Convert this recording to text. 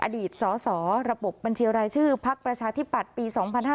อดีตสสระบบบัญชีรายชื่อพักประชาธิปัตย์ปี๒๕๕๙